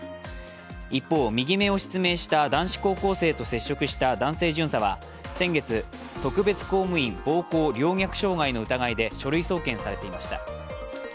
一方、右目を失明した男子高校生と接触した男性巡査は先月、特別公務員暴行陵虐傷害の疑いで書類送検されていました。